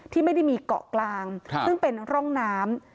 ที่ไม่ได้มีเกาะกลางซึ่งเป็นร่องน้ำ